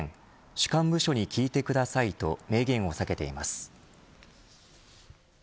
主管部署に聞いてくださいと明言を避けています。